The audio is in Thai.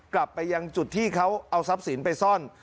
กลับไปยังจุดที่เขาเอาทรัพย์สินไปซ่อน